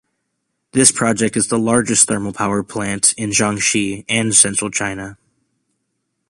This project is the largest thermal power plant in Jiangxi and Central China.